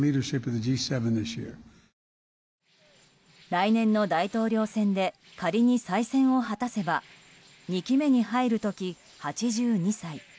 来年の大統領選で仮に再選を果たせば２期目に入る時、８２歳。